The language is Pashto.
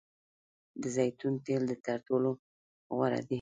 د زیتون تیل تر ټولو غوره دي.